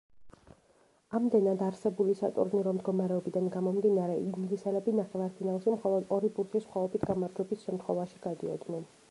ამდენად, არსებული სატურნირო მდგომარეობიდან გამომდინარე ინგლისელები ნახევარფინალში მხოლოდ ორი ბურთის სხვაობით გამარჯვების შემთხვევაში გადიოდნენ.